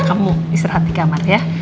kamu istirahat di kamar ya